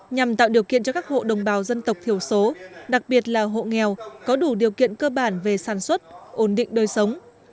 nhằm tạo điều kiện cho các hộ đồng bào dân tộc thiểu số đặc biệt là hộ nghèo có đủ điều kiện cơ bản về sản xuất ổn định đời sống